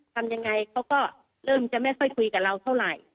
ทำยังไงเขาก็เริ่มจะไม่ค่อยคุยกับเราเท่าไหร่